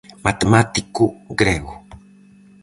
Matemático grego.